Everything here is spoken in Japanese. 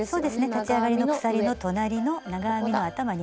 立ち上がりの鎖の隣の長編みの頭２本。